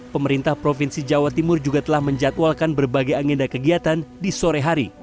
pemerintah provinsi jawa timur juga telah menjatuhkan berbagai agenda kegiatan di sore hari